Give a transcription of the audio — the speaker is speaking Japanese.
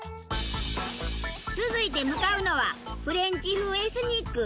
続いて向かうのはフレンチ風エスニック。